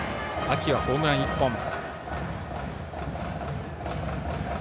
秋はホームラン１本。